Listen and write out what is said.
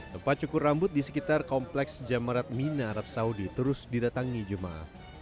tempat cukur rambut di sekitar kompleks jamarat mina arab saudi terus didatangi jemaah